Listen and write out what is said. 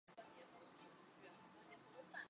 等政策由这一支柱负责。